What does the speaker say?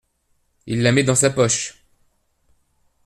Il la met dans sa poche.